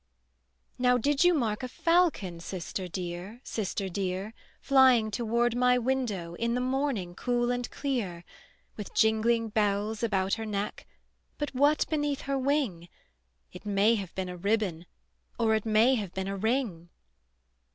"Now did you mark a falcon, Sister dear, sister dear, Flying toward my window In the morning cool and clear? With jingling bells about her neck, But what beneath her wing? It may have been a ribbon, Or it may have been a ring."